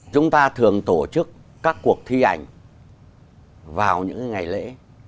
chúng ta thường tổ chức các cuộc thi ảnh vào những ngày lễ